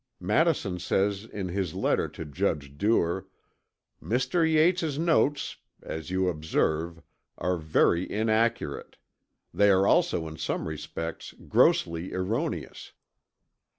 Madison says in his letter to Judge Duer, "Mr. Yates's notes as you observe are very inaccurate; they are also in some respects grossly erroneous."